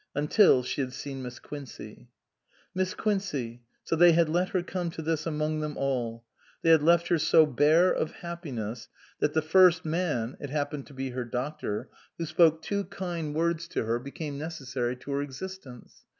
Until she had seen Miss Quincey. Miss Quincey so they had let her come to this among them all ? They had left her so bare of happiness that the first man (it happened to be her doctor) who spoke two kind words to her 290 A PAINFUL MISUNDERSTANDING became necessary to her existence.